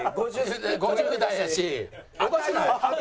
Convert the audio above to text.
５０代やし。